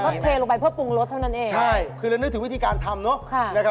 ก็เทลงไปเพื่อปรุงรสเท่านั้นเองใช่คือเรานึกถึงวิธีการทำเนอะ